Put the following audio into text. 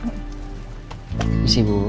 terima kasih ibu